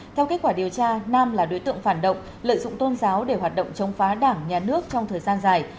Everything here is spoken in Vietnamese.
theo kết quả điều tra nam là đối tượng phản động lợi dụng tôn giáo để hoạt động chống phá đảng nhà nước trong thời gian dài